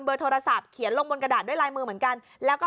โทรศัพท์เขียนลงบนกระดาษด้วยลายมือเหมือนกันแล้วก็